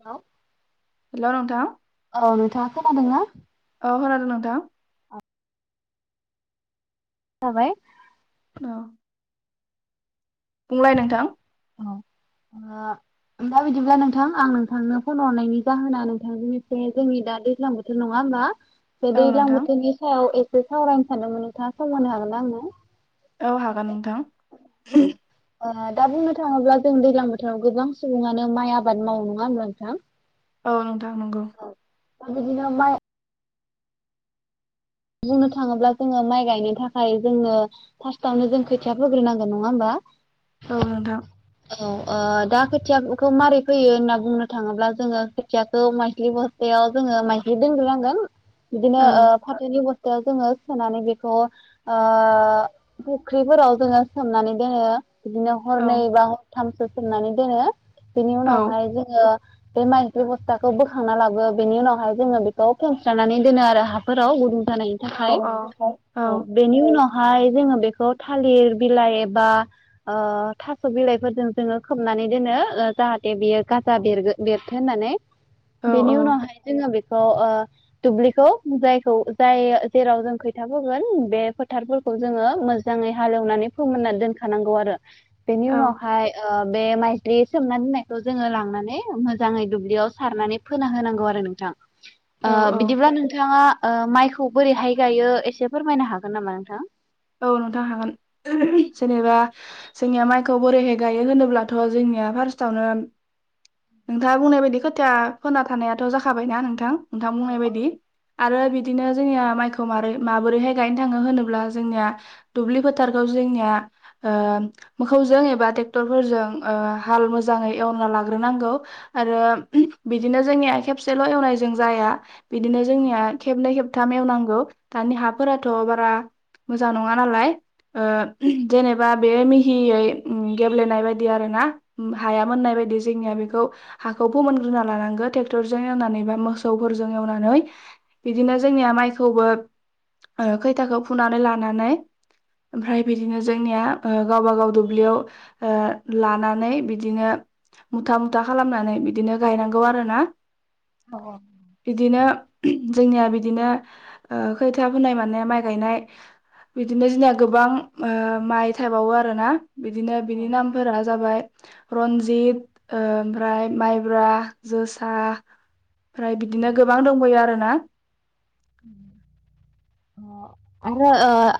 Hello hello नोंथां अ नोंथाङा खोनादों ना? औ खोनादों नोंथां। थाबाय औ बुंलाय नोंथां औ ओ दा बिदिब्ला नोंथां आं नोंथांनो फन हरनायनि जाहोना नोंथांनिफ्राय जोंनि दा दैज्लां बोथोर नङा होमबा बे औ दैज्लां नोंथां बोथोरनि सायाव ए सावरायनो सानदोंमोन नोंथाङा सम होनो हागोन ना आंनो? औ हागोन। नोंथां दा बुंनो थाङोब्ला जों दैज्लां बोथोराव गोबां सुबुङानो माइ आबाद मावो नङा होमब्ला नोंथां औ नोंथां नंगौ आर बिदिनो माइ बुंनो थाङोब्ला जोङो माइ गायनो थाखाय जोंनो फार्स्टावनो जों खोथिया फोग्रोनांगोन नङा होमबा। औ नोंथां औ दा खोथियाखौ माबारै फैयो होनना बुंनो थाङोब्ला जोङो खोथियाखौ माइस्लि बस्थायाव जोङो माइस्लि दोनग्रोनांगोन। बिदिनो औ ओ फार बेनि अबस्थायाव जोङो सोनानै बेखौ फुख्रिफोराव जोङो सोमनानै दोनो बिदिनो औ हरनै एबा हरथामसो सोमनानै दोनो बेनि औ उनावहाय जोङो बे माइज्लि बस्थाखौ बोखांना लाबो बेनि उनावहाय जोङो बेखौ खेवस्रानानै दोनो आरो हाफोर राव जानायनि औ थाखाय औ औ बेनि उनाव [inaudible] बेनि उनावहाय औ जोङो बे ओ ओ दुब्लिखौ बुजाय खौ जाय जेराव जों खैथा फोगोन बे फोथारफोरखौ जोङो मोजाङै हालेवनानै फोमोनना दोनखानांगौ आरो बेनि औ उनावहाय बे माइथ्रि सोमना दोननायखौ जोङो लांनानै मोजाङै दुब्लियाव सारनानै फोना होनांगौ आरो नोंथां। औ बिदिब्ला नोंथाङा माइखौ बोरैहाय गायो एसे फोरमायनो हागोन नामा नोंथां? औ नोंथां हागोन जेनेबा जोंनिया माइखौ बोरैहाय गायो होनोब्लाथ' जोंनिया फार्स्टआवनो नोंथाङा बुंनाय बायदि खोथिया फोना थानायाथ' जाखाबायना नोंथां नोंथां औ बुंनाय बायदि आरो बिदिनो जोंनिया माइखौ माबोरै माबोरैहाय गायनो थाङो होनोब्ला जोंनिया दुब्लि फोथारखौ जोंनिया मोखौजों एबा ट्रेक्टरफोरजों हाल मोजाङै एवना लाग्रोनांगौ आरो बिदिनो जोंनिया खेबसेल' एवनायजों जाया बिदिनो जोंनिया खेबनै खेब थाम एवनांगौ दानि हाफोराथ' बारा मोजां नङा नालाय जेनेबा बे मिहियै गेब्लेनाय बायदि आरो ना हाया मोननाय बायदि जोंनिया बेखौ हाखौ फोमोनग्रोना लानांगौ ट्रेक्टरजों एवनानै बा मोसौफोरजों एवनानै बिदिनो जोंनिया माइखौबो खैथाखौ फुनानै लानानै ओमफ्राय बिदिनो जोंनिया गावबा गाव दुब्लियाव लानानै बिदिनो मुथा मुथा खालामनानै बिदिनो गायनांगौ आरोना औ बिदिनो जोंनिया बिदिनो खोथिया फुनाय मानाया माइ गायनाय बिदिनो जोंनिया गोबां माइ थायबावो आरो ना। औ [inaudible] रनजित ओमफ्राय माइब्रा जोसा ओमफ्राय बिदिनो गोबां दंबयो आरोना [inaudible] आरो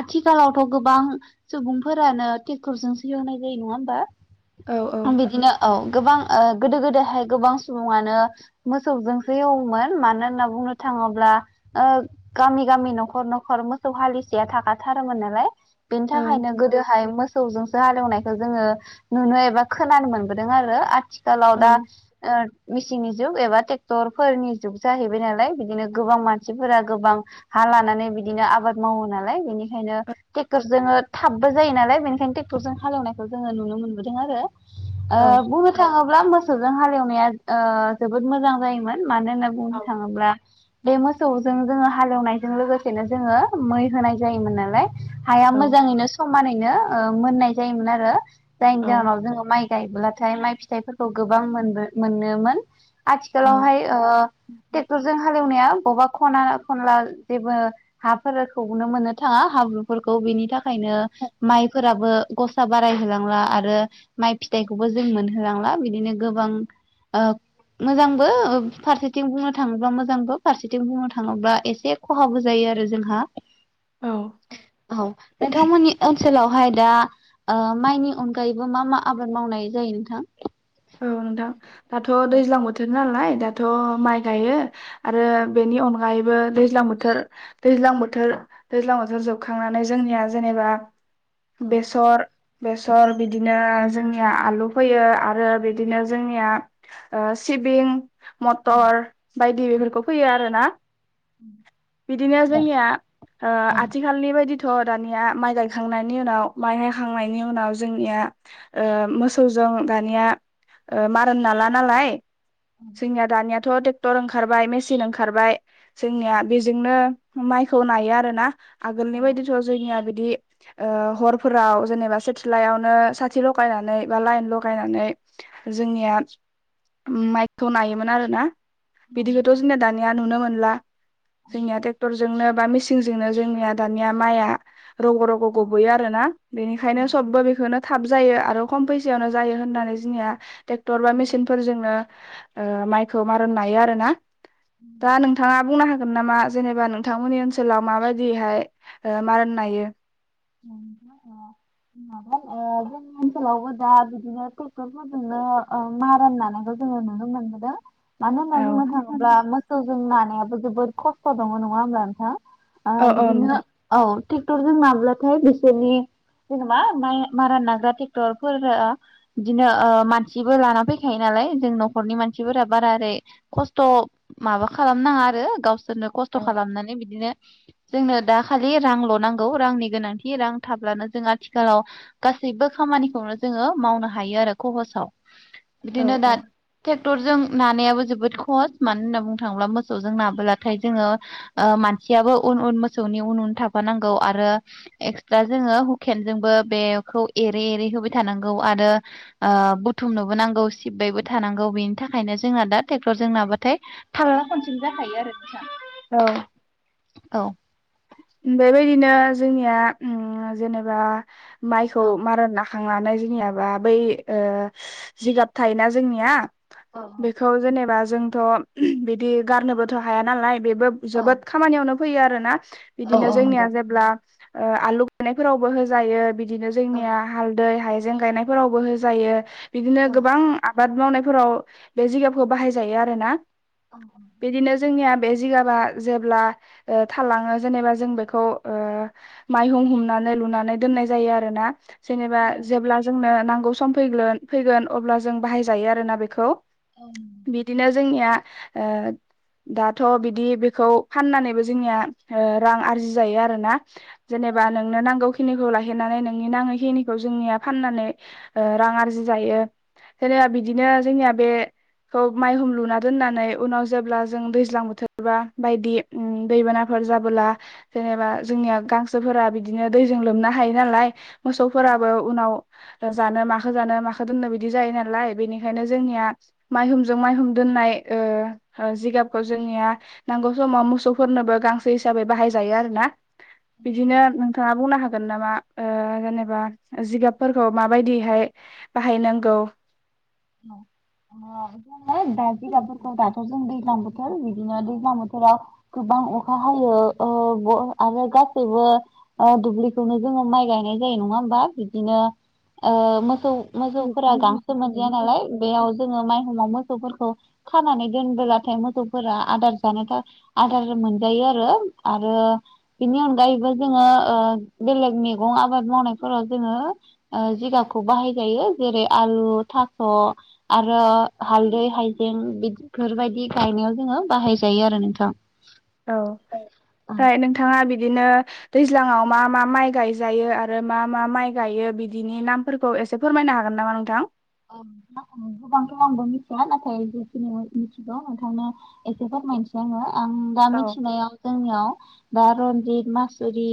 आथिखालाव थ' गोबां सुबुंफोरानो ट्रेक्टरजोंसो एवनाय जायो नङा होमबा? औ औ बिदिनो औ गोबां गोदो गोदायहाय गोबां सुबुङानो मोसौजोंसो एवोमोन मानो होन्ना बुंनो थाङोब्ला ओ गामि गामि न'खर न'खर मोसौ हालिसेया थाखाथारोमोन नालाय बेनि औ थाखायनो गोदोहाय मो मोसौजोंसो हालेवनायखौ जोङो नुनो एबा खोनानो मोनबोदों आरो आथिखाल औ थिखालाव मेसिननि जुग एबा ट्रेक्टर फोरनि जुग जाहैबाय नालाय बिदिनो गोबां मानसि मानसिफोरा गोबां हा लानानै बिदिनो आबाद मावो नालाय बेनिखायनो ट्रेक्टर जोन थाबबो जायो नालाय बेनिखायनो ट्रेक्टरजों हालेवनायखौ जोङो नुनो मोनबोदों आरो। औ ओ बुंनो थाङोब्ला ब्ला मोसौजों हालेवनाया जोबोद मोजां जायोमोन। मानो होनना बुंनो थाङोब्ला। बेमोस मोसौजों जोङो हालेवनायजों लोगोसेनो जोङो मै होनाय जायोमोन नालाय। हाया औ मोजाङैनो स समानैनो ओ मोननाय जायोमोन आरो। जायनि औ जाहोनाव जोङो माय गायब्लाथाय माइ फिथाइफोरखौ गोबां मोनबो मोनोमोन। आथिखालावहाय ओ टेक्टर जों हाल हेवनाया बबा खना खनला जेबो हाफोरखौनो मोननो थाङा हाब्रुफोरखौ बिनि थाखायनो माइफोराबो गसा बारायहोलांला आरो माइ फिथाइखौबो जों मोनहोलांला बिदिनो गोबां आ मोजांबो फारसेथिं बुंनो थाङोब्ला मोजांबो फारसेथि आथिं बुंनो थाङोब्ला एसे खहाबो जायो आरो जोंहा। औ नोंथांमोननि ओनसोलाव। ओमफाय दा आ माइनि अनगायैबो मा मा आबाद मावनाय जायो नोंथां? औ नोंथां दाथ' दैज्लां बोथोर। नालाय दाथ' माइ गायो। आरो बेनि अनगायैबो बो दैज्लां बोथोर दैज्लां बोथोर दैज्लां बोथोर जोबखांनानै जोंनिया जेनेबा। बेसर। बेसर बिदिनो जोंनिया आलु फैयो आरो बिदिनो जोंनिया ओ सिबिं मटर बायदि बेफोरखौ फैयो आरोना। बिदिनो जोंनिया ओ आथिखालनि बायदि थ' दानिया माइ गायखांनायनि उनाव माइ गायखांनायनि उनाव जोंनिया ओ मोसौजों दानिया ओ मारोन नाला नालाय जोंनिया दानिया थ' टेक्टर ओंखारबाय मेसिन ओंखारबाय। जोंनिया बेजोंनो। माइखौ नायो आरो ना। आगोलनि बायदिथ' जोंनिया बि बिदि ओ हरफोराव जेनेबा सेटेलाइआवनो साथि लगायनानै बा लाइन लगायनानै। जोंनिया माइखौ नायोमोन आरो ना। बिदिखौथ' जोंनिया दानिया नुनो मोन ब्ला। जोंनिया टेक्टर जोंनो बा मेसिनजोंनो जोंनिया दानिया माइआ रग' रग' गबोयो आरो ना बेनिखायनो सबबो बेखौनो थाब जायो आरो खम फैसायावनो जायो होननानै जोंनिया ट्रेक्टर बा मेसिनफोरजोंनो ओ माइखौ मारान नायो आरो ना दा नोंथाङा बुंनो हा गोन नामा जेनेबा नोंथांमोननि ओनसोलाव माबायदिहाय ओ मारान नायो औ नोंथां ओ माबा ओ जोंनि ओनसोलावबो दा बिदिनो ट्रेक्टरफोरजोंनो ओ मारान नानायखौ जोङो नुनो मोनबोदों मानो होनना औ बुंनो थाङोब्ला मोसौजों ना आबो जोबोर खस्थ' दङ' नङा होनबा नोंथां औ ओ औ बिदिनो नोंथां औ थिकटरजों नाब्ला थय बिसोरनि जेनेबा मा‌-मारा नाग्रा ट्रेक्टरफोरा बिदिनो मानसिबो लाना फैखायो नालाय जों न'खरनि मानसिफोरा बारा ओरै खस्थ' माबा खालामनाङा आरो गावस सोरनो खस्थ' औ खालामनानै बिदिनो जोंनो दा खालि रांल' नांगौ रांनि गोनां थि रां थाब्लानो जों आथिखालाव गासैबो खामानिखौनो जोङो मावनो हायो आरो खहसाव औ बिदिनो दा औ ट्रेक्टरजों नानायाबो जोबोद खहस मानो होनना बुंनो थाङोब्ला मोसौजों नाबोलाथाय जोङो मानसियाबो उन उन मोसौनि उन उन थाफानांगौ आरो एक्सट्रा जोङो हुखेनजोंबो बेखौ एरै एरै होबाय थानांगौ आरो ओ बुथुमनोबो नांगौ सिबबायबो थानांगौ बेनि थाखायनो जोंना दा ट्रेक्टर जों नाबाथाय थालला खनसेनो जाखायो आरो [unintelligible] औ औ बेबायदिनो जोंनिया उम जेनेबा माइखौ मारा ना खांनानै जोंनियाबा बै ओ जिगाब थायोना जोंनिया बेखौ जेनेबा जोंथ' बिदि गारनोबोथ' हाया नालाय बेबो जोबोद खामानियावनो फैयो आरोना बिदिनो जोंनिया जेब्ला ओ आलु गायनायफोरावबो होजायो बिदि दिनो जोंनिया हालदै हाय जें गायनायफोरावबो होजायो बिदिनो गोबां आ बाद मावनायफोराव बे जिगाबखौ बाहायजायो आरो ना बिदिनो जोंनिया बे जिगाबा जेब्ला ओ थालाङो जेनेबा जों बेखौ माइहुं हमनानै लुनानै दोननाय जायो आरो ना जेनेबा जेब्ला जोंनो नांगौ सम फैग्लोन फैगोन, अब्ला जों बाहायजायो आरोना बेखौ। बिदिनो जोंनिया ओ दाथ' बिदि बेखौ फाननानैबो जोंनिया ओ रां आरजि जायो आरोना। जेनेबा नोंनो नांगौ खिनिखौ लाखिनानै नोंनि नाङै खिनिखौ जोंनिया फाननानै ओ रां आरजिजायो। जेनेबा बिदिनो जोंनिया बे खौ माइहुम लुना दोननानै उनाव जेब्ला जों दैज्लां बोथोरबा बायदि दैबाना फोर जाबोला जेनेबा जोंनिया गां सोफोरा बिदिनो दैजों लोमना हायो नालाय। मोसौफोराबो उनाव जानो माखो जानो माखो दोननो बिदि जायो नालाय, बेनि खायनो जोंनिया माइहुमजों माइहुम दोननाय ओ, ओ गाबखौ जोंनिया नांगौ समाव मोसौफोरनोबो गां सो हिसाबै बाहायजायो आरोना। बिदिनो नोंथाङा बुंनो हागोन ना बा ओ जेनेबा जिगाबफोरखौ माबायदिहाय बाहायनांगौ [unintelligible] [unintelligible] दा जिगाफोरखौ दाथ' जों दैज्लां बोथोर बिदिनो दैज्लां बो थोराव गोबां अखा हायो। ब आरो गासैबो दुब्लिखौनो जोङो माइ गायनाय जायो, नङा होमबा? बिदिनो ओ मोसौ मोजौफोरा गांसो मोन नालाय, बेयाव जोङो माइहुमाव मोसौफोरखौ खानानै दोनबोलाथाय मोसौफोरा आदार जानोथा आदार मोनजायो आरो। आरो बिनि अनगायैबो जोङो ओ बेलेग मैगं आबाद मावनायफोराव जोङो जिगाबखौ बाहायजायो। जेरै आलु, था स' आरो हालदै, हाइजें बिदफोरबायदि गायनायाव जोङो बाहायजायो आरो नोंथां। औ फ्राय नोंथाङा बिद दिनो दैज्लाङाव मा मा माइ गायजायो आरो मा मा माइ गायो बिदिनि नामफोरखौ एसे फोरमायनो हागोन नामा नोंथां? औ नोंथां गोबांथ' आंबो मिथिया नाथाय जिखिनि मिथिगौ नोंथांनो एसे फोरमायनोसै आङो। आं दा औ मिथिनायाव जोंनियाव दा रनजिद, मासुरि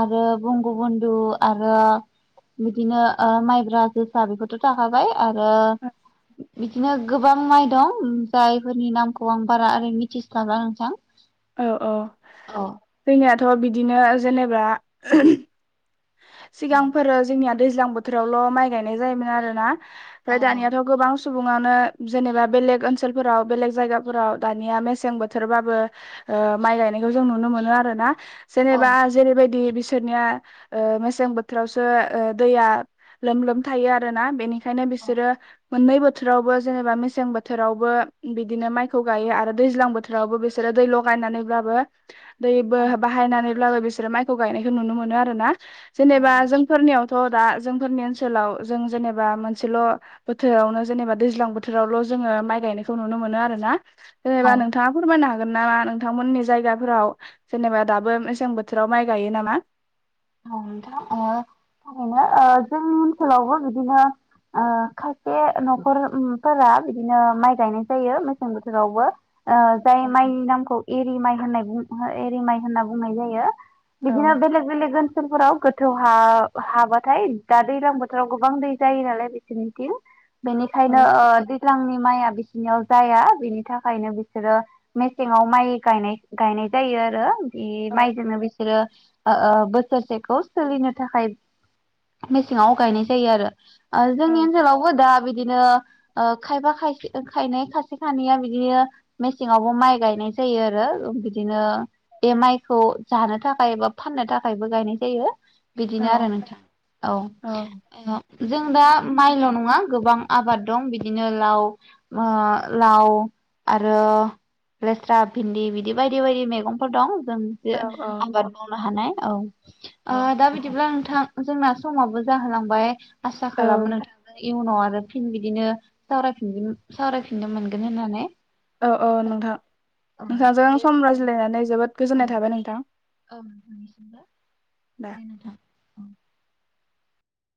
आरो ओ बंग'बन्धु आरो बिदिनो ओ माइब्रा जोसा बेफोर थ' थाखाबाय। आरो बिदिनो गोबां माइ दं, जायफोरनि नामखौ आं बारा ओरै मिथिस्लाबा नोंथां। औ औ। जोंनिया थ' बिदिनो जेनेबा सिगांफोरो जोंनिया दैज्लां बोथोरावल' माइ गायनाय जायोमोन आरोना। ओमफाय दानियाथखौ गोबां सुबुङानो जेनेबा बेलेग ओनसोलफोराव बेलेग जायगाफोराव दानिया मेसें बोथोरबाबो माइ गायनायखौ जों नुनो मोनो आरोना। जेनेबा जेरैबायदि बिसोरनिया मेसें बोथोरावसो दैया लोम लोम थायो आरोना बेनि बेखायनो बिसोर मोननै बोथोरावबो जेनेबा मेसें बोथोरावबो बिदिनो माइखौ गायो आरो दैज्लां बोथोरावबो बिसोरो दै लगायनानैब्लाबो दैफोर बाहायनानै अब्लाबो बिसोरो माइखौ गायनायखौ नुनो मोनो आरोना। जेनेबा जोंफोरनियाव दा जोंफोरनि ओनसोलाव जों जेनेबा मोनसेल' बोथोरावनो जेनेबा दैज्लां बोथोरावल' जोङो माइ गायनायखौ नुनो मोनो आरोना। जेनेबा नोंथाङा फोरमायनो हागोन। नामा नोंथांमोननि जायगाफोराव जेनेबा दाबो मेसें बोथोराव माइ गायो नामा? औ नोंथां थारैनो जोंनि ओनसोलावबो बिदिनो खायसे न'खरफोरा बिदिनो माइ गायनाय जायो मेसें बोथोरावबो। ओ जाय माइनि नामखौ एरि माइ। होननाय बुंनाय एरि माइ होनना बुंनाय जायो। औ बिदिनो बेलग बेलग गोथौ हाबाथाय दा दैलां बोथोराव गोबां दै जायो नालाय बिसोरनिथिं बेनिखायनो औ ओ दैज्लांनि माइआ बेसे बिनियाव जाया बिनि थाखायनो बिसोरो मेसेङाव माइ गायनाय गायनाय जायो आरो। बे औ माइजोंनो बिसोरो ओ ससेखौ सोलिनो थाखाय मेसेंआव गायनाय जायो आरो। औ जोंनि ओनसोलावबो दा बिदिनो ओ खायबा खायसे खायनैया बिदिनो मेसेंआवबो माइ गायनाय जायो आरो। बिदिनो एम आइ खौ जानो थाखाय एबा फाननो थाखाय बो गायनाय जायो। औ बिदिनो आरो नोंथाङा औ जों दा माइल' नङा गोबां आबाद दं बिदिनो लाव लाव ओ आरो लेस्रा भिन्दि बिदि बायदि बायदि मैगंफोर दं। मोजां मोनसे औ आबाद मावनो हानाय। औ। ओ दा बिदिब्ला नोंथां। जोंना समाबो जाहोलांबाय आसा खालामो औ नोंथांनो इयुनाव आरो फिन बिदिनो सावरायफिनगोन सावरायफिननो मोनगोन होननानै । औ ओ नोंथां नोंथांजों सम रायज्लायनानै जोबोद गोजोननाय थाबाय नोंथां । औ नोंनिसिमबो दा दे नोंथां ।